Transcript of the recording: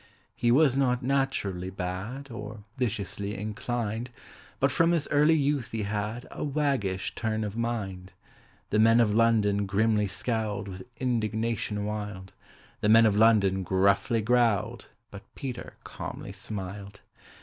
He was not naturally bad, Or viciously inclined, But from his early youth he had A waggish turn of mind. The Men of London grimly scowled With indignation wild; The Men of London gruffly growled, But PETER calmly smiled.